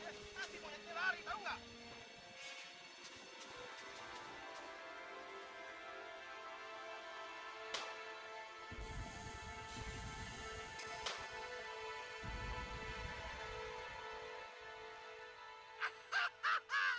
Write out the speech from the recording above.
asik monyetnya lari tau gak